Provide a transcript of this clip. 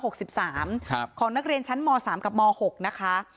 หกสิบสามครับของนักเรียนชั้นมสามกับมหกนะคะ